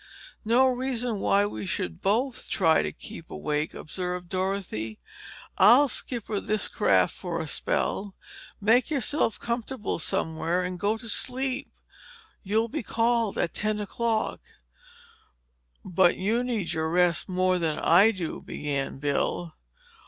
"No reason why we should both try to keep awake," observed Dorothy. "I'll skipper this craft for a spell. Make yourself comfortable somewhere and go to sleep. You'll be called at ten o'clock." "But you need rest more than I do," began Bill.